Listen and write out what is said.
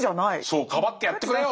そうかばってやってくれよ！